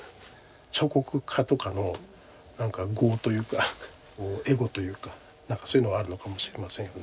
彫刻家とかのなんか業というかこうエゴというかなんかそういうのはあるのかもしれませんよね。